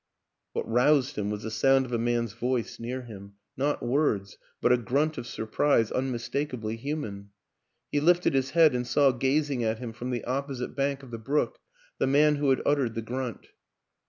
What roused him was the sound of a man's voice near him; not words, but a grunt of sur prise unmistakably human. He lifted his head and saw gazing at him from the opposite bank of the brook the man who had uttered the grunt.